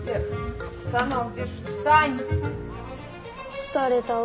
疲れたわあ。